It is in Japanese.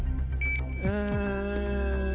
うん。